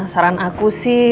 saran aku sih